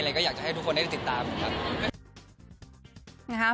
ก็อยากจะให้ทุกคนได้ติดตามนะครับ